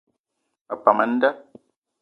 Me pam a nda.